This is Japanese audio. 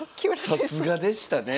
さすがでしたね。